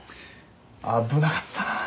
危なかったなぁ。